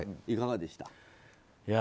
いかがでした。